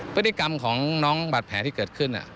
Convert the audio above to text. พฤติกรรมของน้องบาดแผลที่เกิดขึ้น